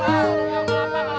tasik tasik tasik